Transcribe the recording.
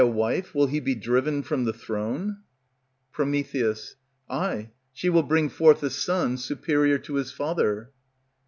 _ By a wife will he be driven from the throne? Pr. Ay, she will bring forth a son superior to his father.